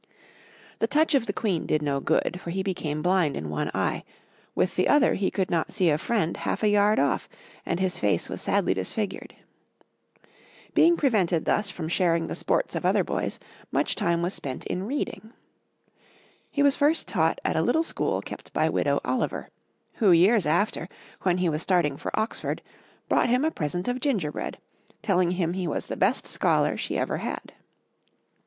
The touch of the Queen did no good, for he became blind in one eye; with the other he could not see a friend half a yard off, and his face was sadly disfigured. Being prevented thus from sharing the sports of other boys, much time was spent in reading. He was first taught at a little school kept by Widow Oliver, who years after, when he was starting for Oxford, brought him a present of gingerbread, telling him he was the best scholar she ever had.